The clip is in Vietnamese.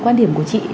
quan điểm của chị